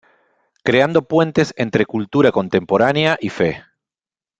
Creando puentes entre Cultura Contemporánea y Fe.